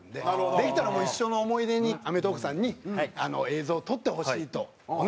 できたらもう一生の思い出に『アメトーーク』さんに映像を撮ってほしいとお願いしまして。